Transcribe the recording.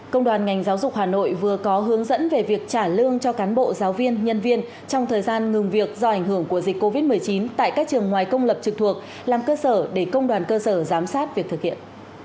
công đoàn ngành giáo dục hà nội vừa có hướng dẫn về việc trả lương cho cán bộ giáo viên nhân viên trong thời gian ngừng việc do ảnh hưởng của dịch covid một mươi chín tại các trường ngoài công lập trực thuộc làm cơ sở để công đoàn cơ sở giám sát việc thực hiện